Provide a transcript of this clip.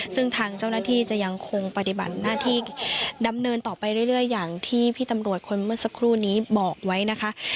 ซึ่งทางเจ้าหน้าที่จะยังคงปฏิบัติหน้าที่ดำเนินต่อไปเรื่อยอย่างที่พี่ตำรวจคนเมื่อสักครู่นี้บอกไว้นะคะ